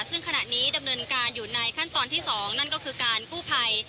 ซึ่งขณะนี้ดำเนินการอยู่ในขั้นตอนที่๒นั่นก็คือการกู้ภัย